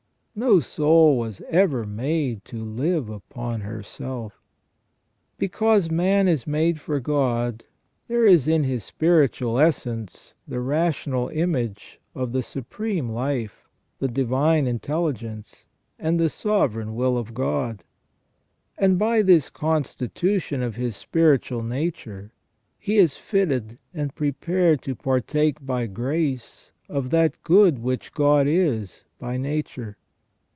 No soul was ever made to live upon herself. Because man is made for God, there is in his spiritual essence the rational image of the Supreme Life, the Divine Intelligence, and the Sovereign Will of God : and by this constitution of his TVHY MAN IS MADE TO THE IMAGE OF GOD. 35 spiritual nature he is fitted and prepared to partake by grace of that good which God is by nature.